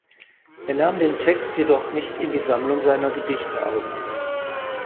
Er nahm den Text jedoch nicht in die Sammlung seiner Gedichte auf.